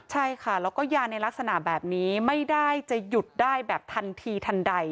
ใช่ค่ะแล้วก็ยาในลักษณะแบบนี้ไม่ได้จะหยุดได้แบบทันทีทันใด